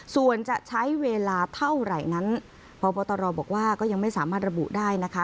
ส่วนจะใช้เวลาเท่าไหร่นั้นพบตรบอกว่าก็ยังไม่สามารถระบุได้นะคะ